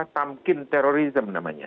tumkin terrorism namanya